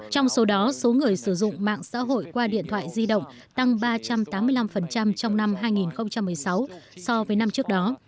trong số đó số người sử dụng mạng xã hội qua điện thoại di động tăng ba trăm tám mươi năm trong năm hai nghìn một mươi sáu so với năm trước đó